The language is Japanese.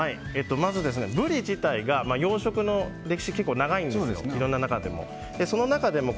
まず、ブリ自体が養殖の歴史が結構長いんですけどいろんなものの中でも。